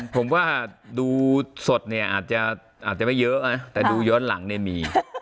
ผมว่าดูสดเนี่ยอาจจะไม่เยอะนะแต่ดูย้อนหลังเนี่ยมี